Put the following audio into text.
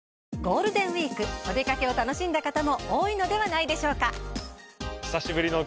ゴールデンウイークお出掛けを楽しんだ方も多いのではないでしょうか？